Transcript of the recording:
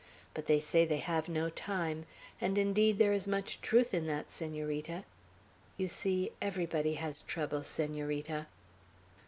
But they say they have no time; and indeed there is much truth in that, Senorita. You see everybody has troubles, Senorita."